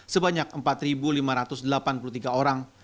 sebanyak empat lima ratus delapan puluh tiga orang